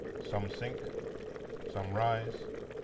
Some sink, some rise.